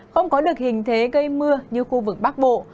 không có được hình thế gây mưa như khu vực bắc bộ